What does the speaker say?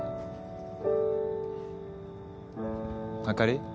あかり